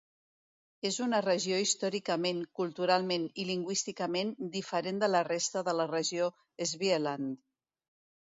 És una regió històricament, culturalment i lingüísticament diferent de la resta de la regió Svealand.